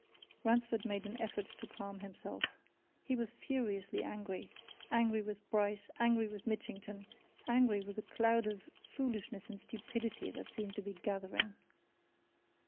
Ransford made an effort to calm himself. He was furiously angry angry with Bryce, angry with Mitchington, angry with the cloud of foolishness and stupidity that seemed to be gathering.